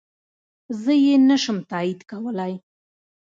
زه يي نشم تاييد کولی